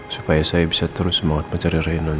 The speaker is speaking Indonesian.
supaya saya bisa terus semangat mencari reina din